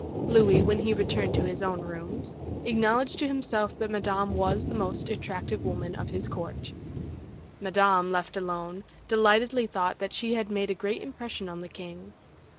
Louis, when he returned to his own rooms, acknowledged to himself that Madame was the most attractive woman of his court. Madame, left alone, delightedly thought that she had made a great impression on the king.